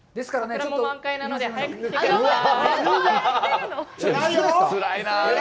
桜も満開なので、早く来てください。